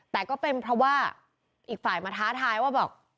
แต่ก็เป็นเพราะว่าอีกฝ่ายมาท้าทายว่าบอก